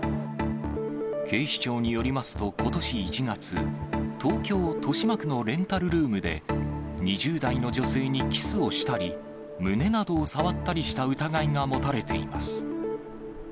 警視庁によりますと、ことし１月、東京・豊島区のレンタルルームで、２０代の女性にキスをしたり、胸などを触ったりした疑いが持たれています。